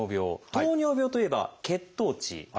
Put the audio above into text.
糖尿病といえば血糖値ですよね。